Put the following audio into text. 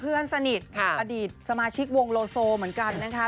เพื่อนสนิทอดีตสมาชิกวงโลโซเหมือนกันนะคะ